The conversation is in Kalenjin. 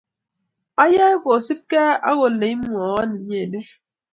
Ayae kosupkei ak ole imwowon inyendet.